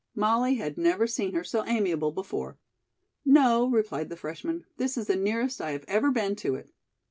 Molly had never seen her so amiable before. "No," replied the freshman, "this is the nearest I have ever been to it."